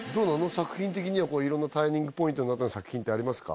作品的には色んなターニングポイントになった作品ってありますか？